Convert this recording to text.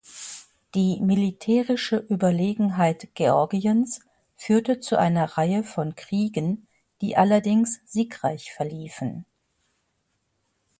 Die militärische Überlegenheit Georgiens führte zu einer Reihe von Kriegen, die allerdings siegreich verliefen.